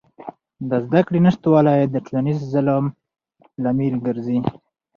د زدهکړې نشتوالی د ټولنیز ظلم لامل ګرځي.